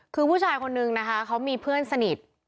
คือผู้ชายคนนึงนะคะเขามีเพื่อนสนิท